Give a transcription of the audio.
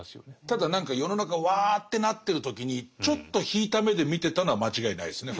ただ何か世の中ワーッてなってる時にちょっと引いた目で見てたのは間違いないですね。